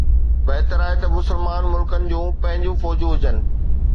بهتر آهي ته مسلمان ملڪن جون پنهنجون فوجون هجن